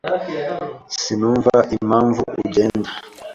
Sinumva impamvu ugenda.